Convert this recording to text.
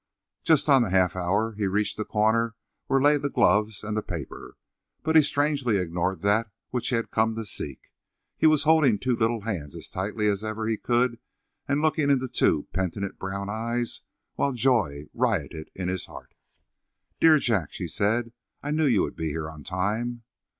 Just on the half hour he reached the corner where lay the gloves and the paper. But he strangely ignored that which he had come to seek. He was holding two little hands as tightly as ever he could and looking into two penitent brown eyes, while joy rioted in his heart. "Dear Jack," she said, "I knew you would be here on time."